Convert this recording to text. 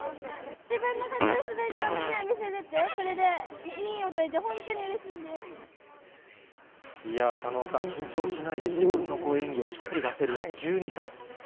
自分のかっこいい滑りをみんなに見せれて、それで２位をとれて、いや、狩野さん、緊張しないで自分の演技をしっかり出せる１２歳。